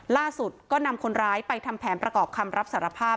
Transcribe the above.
ล่าสุดก็นำคนร้ายไปทำแผนประกอบคำรับสารภาพ